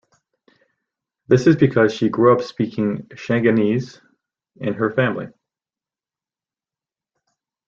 This is because she grew up speaking Shanghainese in her family.